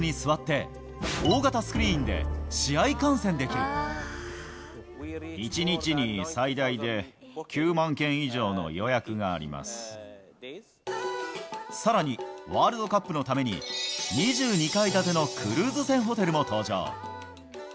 ここに座って、１日に最大で、９万件以上のさらに、ワールドカップのために、２２階建てのクルーズ船ホテルも登場。